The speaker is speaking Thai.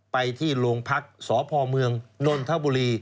ไปที่โรงพักษ์สพเมืองนนทบุรี